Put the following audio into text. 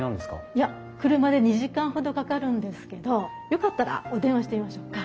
いや車で２時間ほどかかるんですけどよかったらお電話してみましょうか？